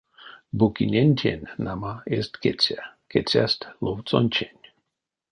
Букинентень, нама, эзть кеця, кецясть ловсонтень.